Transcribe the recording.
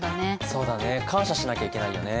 そうだね感謝しなきゃいけないよね。